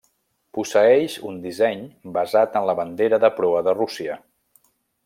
Posseeix un disseny basat en la bandera de proa de Rússia.